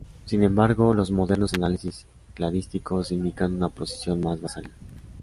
Sin embargo, los modernos análisis cladísticos indican una posición más basal.